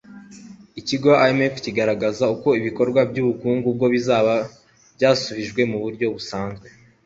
ikigo imf, kigaragaza ko ibikorwa by' ubukungu ubwo bizaba byasubijwe mu buryo busanzwe